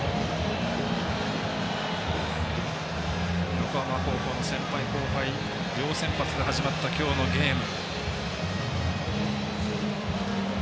横浜高校の先輩・後輩両先発で始まった今日のゲーム。